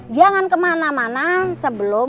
jangan kemana mana sebelum